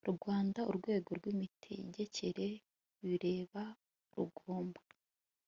Rwanda urwego rw imitegekere bireba rugomba